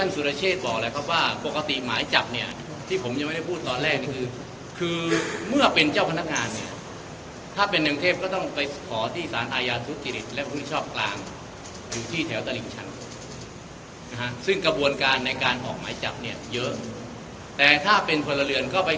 สุดที่ส่วนของเรื่องกระบวนการเรื่องหมายจำเนี่ยโตนึงจะพูดว่าอย่างไร